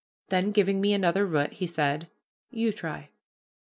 Then, giving me another root, he said, "You try."